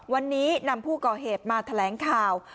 วันนี้นำผู้ก่อเหตุมาแถลงข่าว